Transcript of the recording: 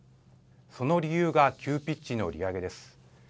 その理由が急ピッチの利上げです。